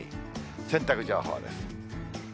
洗濯情報です。